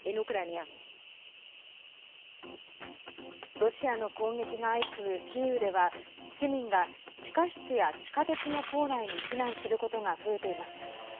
ロシアの攻撃が相次ぐキーウでは市民が地下室や地下鉄の構内に避難することが増えています。